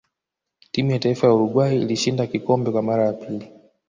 timu ya taifa ya uruguay ilishinda kikombe Kwa mara ya pili